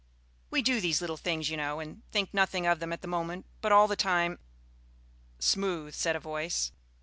We do these little things, you know, and think nothing of them at the moment, but all the time "Smooth," said a voice.